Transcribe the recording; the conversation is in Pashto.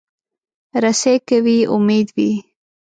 رسۍ که وي، امید وي.